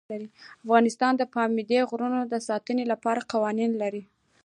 افغانستان د پابندی غرونه د ساتنې لپاره قوانین لري.